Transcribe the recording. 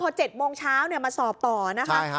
พอ๗โมงเช้าเนี่ยมาสอบต่อนะฮะ